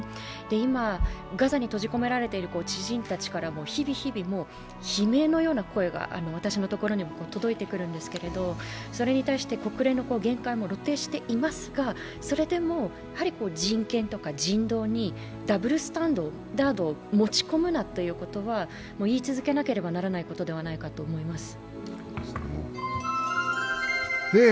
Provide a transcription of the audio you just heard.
今、ガザに閉じ込められている知人たちから日々悲鳴のような声が私のところにも届いてくるんですけど国連の限界も露呈していますが、それでもやはり人権とか人道にダブルスタンダードを持ち込むなということは言い続けなければならないかと思います。